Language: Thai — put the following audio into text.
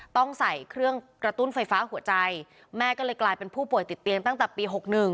ต้องใส่เครื่องกระตุ้นไฟฟ้าหัวใจแม่ก็เลยกลายเป็นผู้ป่วยติดเตียงตั้งแต่ปี๖๑